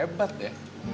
wah hebat ya